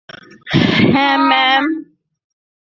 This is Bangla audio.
হ্যা, ম্যাম।